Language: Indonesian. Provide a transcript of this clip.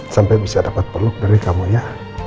sampai bisa dapat peluk dari kamu ya